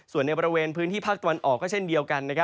ส่วนในบริเวณพื้นที่ภาคตะวันออกก็เช่นเดียวกัน